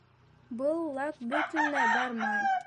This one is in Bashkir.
Был лак бөтөнләй бармай.